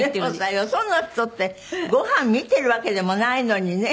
よその人ってごはん見てるわけでもないのにね